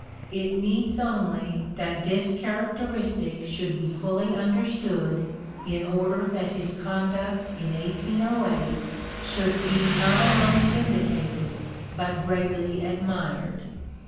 It needs only that this characteristic should be fully understood in order that his conduct in 1808 should be not alone vindicated but greatly admired.